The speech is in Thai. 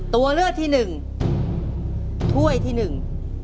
ตัวเลือกที่หนึ่งถ้วยที่หนึ่ง